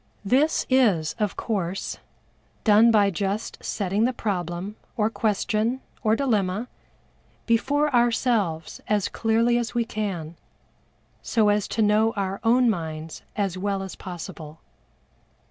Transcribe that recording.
This is, of course, done by just setting the problem, or question, or dilemma, before ourselves as clearly as we can, so as to know our own minds as well as possible.